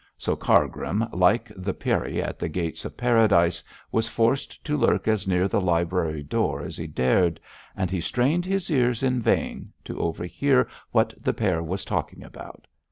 So Cargrim, like the Peri at the Gates of Paradise, was forced to lurk as near the library door as he dared, and he strained his ears in vain to overhear what the pair were talking about.